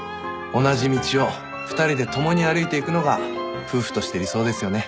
同じ道を２人で共に歩いていくのが夫婦として理想ですよね。